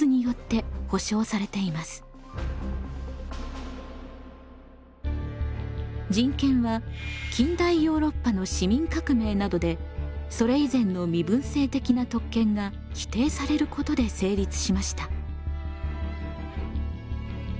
国連の人権は近代ヨーロッパの市民革命などでそれ以前の身分制的な特権が否定されることで成立しました。